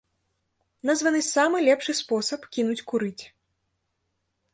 Названы самы лепшы спосаб кінуць курыць.